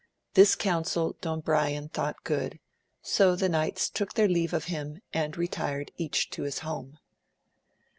This coun sel Don Brian thought good, so the knights took their leave of him and retired each to his home.